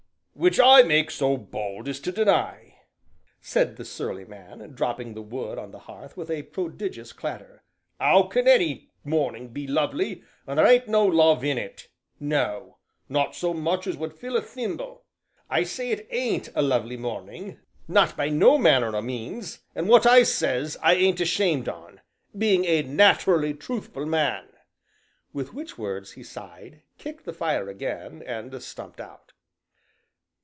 "Which I make so bold as to deny," said the surly man, dropping the wood on the hearth with a prodigious clatter, "'ow can any morning be lovely when there ain't no love in it no, not so much as would fill a thimble? I say it ain't a lovely morning, not by no manner o' means, and what I says I ain't ashamed on, being a nat'rally truthful man!" With which words he sighed, kicked the fire again, and stumped out.